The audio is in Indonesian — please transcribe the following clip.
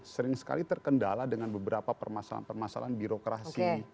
sering sekali terkendala dengan beberapa permasalahan permasalahan birokrasi